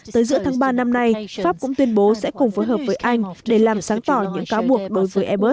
tới giữa tháng ba năm nay pháp cũng tuyên bố sẽ cùng phối hợp với anh để làm sáng tỏ những cáo buộc đối với airbus